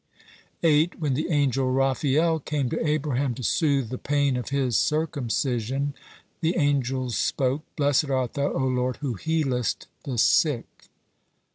8. When the angel Raphael came to Abraham to soothe the pain of his circumcision, the angels spoke: "Blessed art Thou, O Lord, who healest the sick."